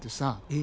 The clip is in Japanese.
え？